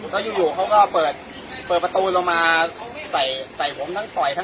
แล้วอยู่เขาก็เปิดเปิดประตูลงมาใส่ผมทั้งต่อยทั้ง